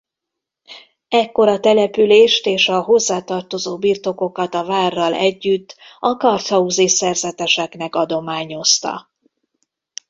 Ekkor a települést és a hozzátartozó birtokokat a várral együtt a karthauzi szerzeteseknek adományozta.